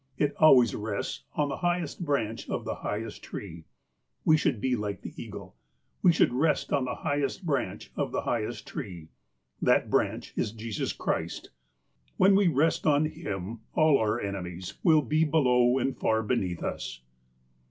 It always rests on the highest branch of the highest tree." We should be like the eagle. We should rest on the highest branch of the highest tree. That branch is Jesus Christ. When we rest on Him, all our enemies will be below and far beneath us."